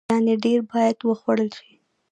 يعنې ډیر باید وخوړل شي.